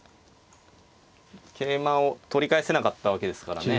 桂馬を取り返せなかったわけですからね。